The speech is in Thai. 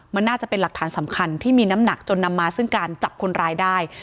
มันน่าจะเป็นหลักฐานสำคัญที่มีน้ำหนักจนนำมาซึ่งการจับคนร้ายได้